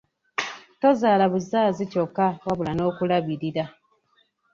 Tozaalabuzaazi kyokka wabula n'okulabirira.